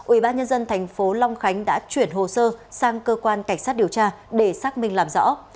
ủy ban nhân dân tp long khánh đã chuyển hồ sơ sang cơ quan cảnh sát điều tra để xác minh làm rõ